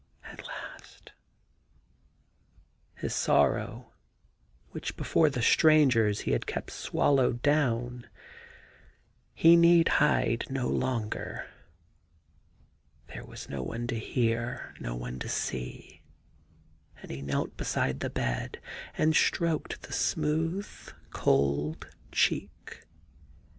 At last I ... His sorrow, which before the strangers he had kept swallowed down, he need hide no longer. There was no one to hear, no one to see. And he knelt beside the bed and stroked the smooth cold cheek.